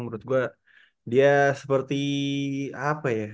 menurut gue dia seperti apa ya